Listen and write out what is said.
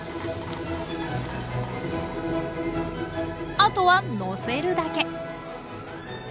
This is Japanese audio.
あとはのせるだけ！